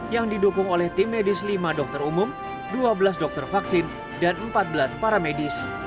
yang didukung oleh tim medis lima dokter umum dua belas dokter vaksin dan empat belas para medis